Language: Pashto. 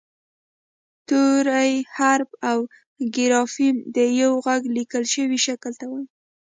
توری حرف او ګرافیم د یوه غږ لیکل شوي شکل ته وايي